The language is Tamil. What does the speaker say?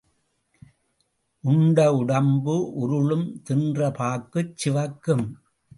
உண்ட உடம்பு உருளும் தின்ற பாக்குச் சிவக்கும்.